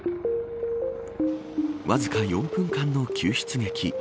わずか４分間の救出劇。